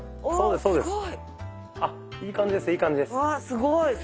おすごい！